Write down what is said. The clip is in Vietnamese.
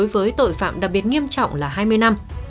với tội phạm đặc biệt nghiêm trọng là hai mươi năm